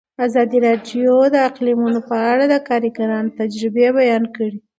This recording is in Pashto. ازادي راډیو د اقلیتونه په اړه د کارګرانو تجربې بیان کړي.